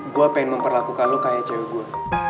gue pengen memperlakukan lo kayak cewek gue